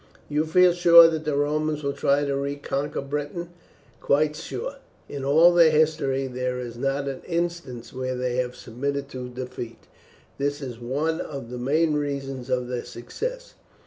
"You feel sure that the Romans will try to reconquer Britain?" "Quite sure. In all their history there is not an instance where they have submitted to defeat. This is one of the main reasons of their success.